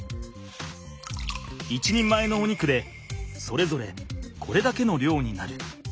１人前のお肉でそれぞれこれだけの量になる！